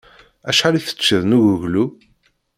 Acḥal i teččiḍ n uguglu?